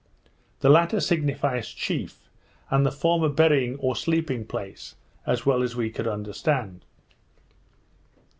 The latter signifies chief, and the former burying, or sleeping place, as well as we could understand.